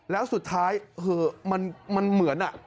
แล้วสุดท้ายเหอะมันเหมือน